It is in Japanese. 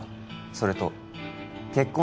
それと結婚